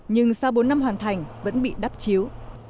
nhưng sau bốn năm hoàn thành vẫn bị đắp chiếu